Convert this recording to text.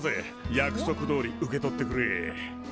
約束どおり受け取ってくれ。